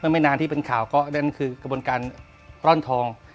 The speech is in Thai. ไม่นานที่เป็นข่าวก็นั่นคือกระบวนการปร่อนทอง